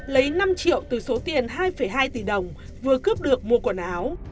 lấy năm triệu từ số tiền hai hai tỷ đồng vừa cướp được mua quần áo